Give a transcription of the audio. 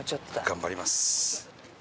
頑張ります。